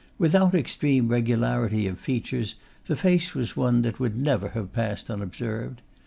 Without extreme regularity of features, the face was one that would never have passed unobserved.